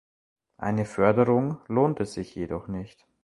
Eine Förderung lohnte sich jedoch nicht.